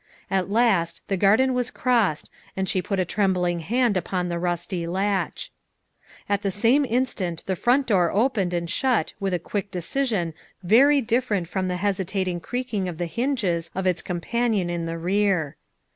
At last the garden was crossed and she put a trembling hand upon the rusty latch. At the same instant the front door opened and shut with a quick decision very different from the hesitating creaking of the hinges of its companion in the rear.